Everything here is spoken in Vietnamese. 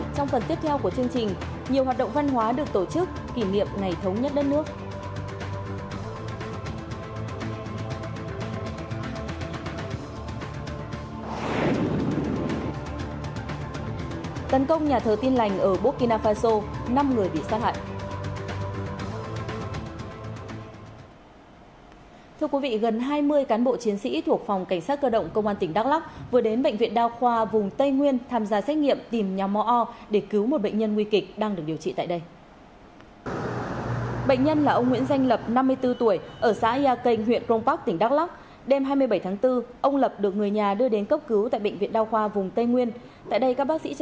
trong phần tiếp theo của chương trình nhiều hoạt động văn hóa được tổ chức kỷ niệm ngày thống nhất đất nước